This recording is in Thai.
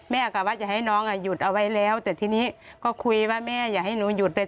กลับว่าจะให้น้องอ่ะหยุดเอาไว้แล้วแต่ทีนี้ก็คุยว่าแม่อย่าให้หนูหยุดไป